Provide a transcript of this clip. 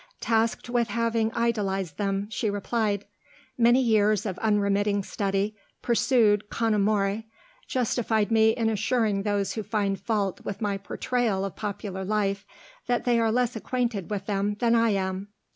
Tasked with having idealized them, she replied: "Many years of unremitting study, pursued con amore, justify me in assuring those who find fault with my portrayal of popular life that they are less acquainted with them than I am."